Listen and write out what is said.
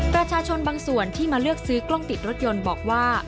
ประชาชนบางส่วนที่มาเลือกซื้อกล้องติดรถยนต์บอกว่า